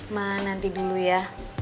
ma nanti dulu ya